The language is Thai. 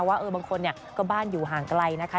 ว่าบางคนก็บ้านอยู่ห่างไกลนะคะ